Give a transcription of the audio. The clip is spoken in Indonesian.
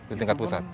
di tingkat pusat